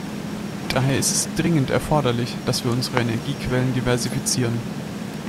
Daher ist es dringend erforderlich, dass wir unsere Energiequellen diversifizieren.